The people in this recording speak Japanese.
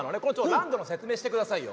ランドの説明してくださいよ。